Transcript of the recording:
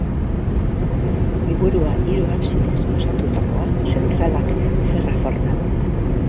Goiburua, hiru absidez osatutakoa, zentralak ferra forma du.